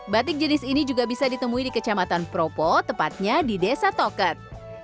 batik jenis ini juga bisa ditemui di kecamatan propo tepatnya di desa toket